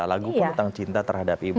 lagu pun tentang cinta terhadap ibu